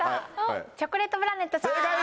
チョコレートプラネットさん！